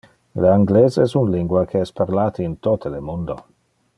Le anglese es un lingua que es parlate in tote le mundo.